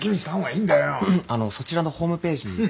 あのそちらのホームページにですね